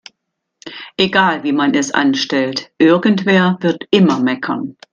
Egal wie man es anstellt, irgendwer wird immer meckern.